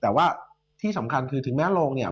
แต่ว่าที่สำคัญคือถึงแม้โรงเนี่ย